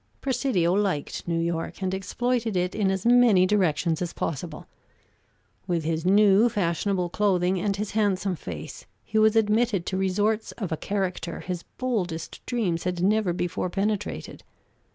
Presidio liked New York, and exploited it in as many directions as possible. With his new fashionable clothing and his handsome face, he was admitted to resorts of a character his boldest dreams had never before penetrated.